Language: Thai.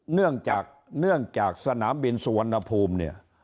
เนื่องจากสนามบินสุวรรณภูมิเนี่ย